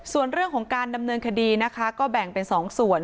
ส่วนเรื่องของการดำเนินคดีนะคะก็แบ่งเป็น๒ส่วน